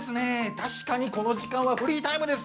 確かにこの時間はフリータイムです。